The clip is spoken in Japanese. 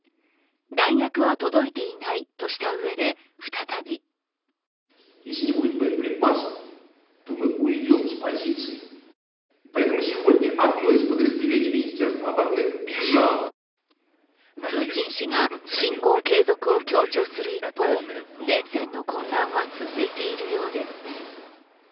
弾薬は届いていないとしたうえで再びプーチン氏が侵攻継続を強調する一方、前線の混乱は続いているようです。